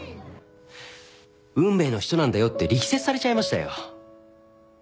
運命の人なんだよって力説されちゃいましたよ。